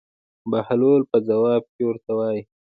بهلول په ځواب کې ورته وایي.